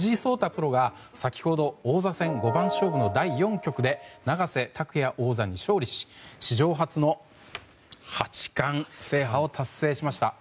プロが先ほど王座戦五番勝負の第４局で永瀬拓矢王者に勝利し史上初の八冠制覇を達成しました。